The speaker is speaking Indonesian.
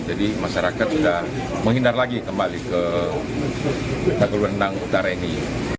jadi masyarakat sudah menghindar lagi kembali ke tagulandang utara ini